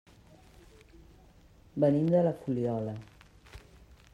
Venim de la Fuliola.